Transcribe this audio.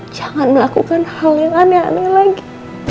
jangan melakukan hal yang aneh aneh lagi